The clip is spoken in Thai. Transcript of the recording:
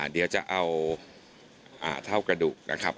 เดี๋ยวจะเอาเท่ากระดูกนะครับ